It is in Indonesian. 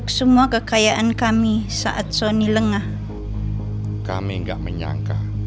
kakek canggul dan nenek gayung